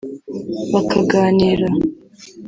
bakaganira